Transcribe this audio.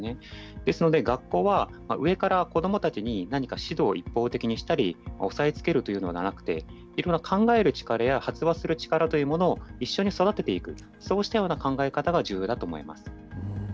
ですので学校は、上から子どもたちに何か指導を一方的にしたり、おさえつけるというのではなくて、いろんな考える力や発話する力というものを一緒に育てていく、そうしたような考え方が重要だと思います。